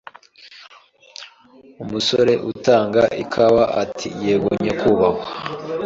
Umusore utanga ikawa ati Yego nyakubahwa